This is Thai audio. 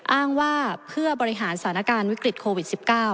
อ้างว่าเพื่อบริหารสถานการณ์วิกฤตโควิด๑๙